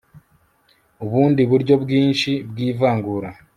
ubundi buryo bwinshi bw'ivangura